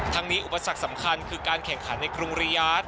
ทั้งนี้อุปสรรคสำคัญคือการแข่งขันในกรุงริยาท